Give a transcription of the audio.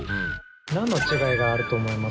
なんの違いがあると思います？